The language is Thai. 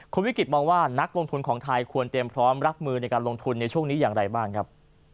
คุณวิกฤตมองว่านักลงทุนของไทยควรเตรียมพร้อมรับมือในการลงทุนในช่วงนี้อย่างไรบ้างครับ